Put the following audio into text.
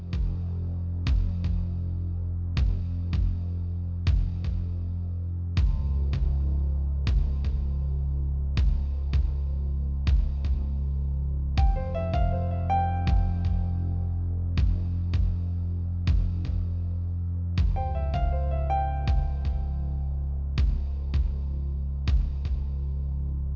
apakah dia masih hidup